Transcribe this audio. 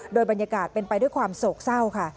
โดยบรรยากาศเป็นไปด้วยความโศกเศร้าค่ะ